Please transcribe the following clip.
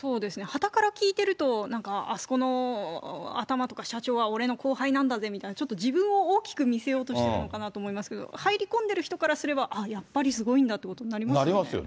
はたから聞いていると、なんかあそこの頭とか社長は俺の後輩なんだぜみたいな、ちょっと自分を大きく見せようとしているのかなと思いますけど、入り込んでる人からすれば、ああ、やっぱりすごいんだってことにななりますよね。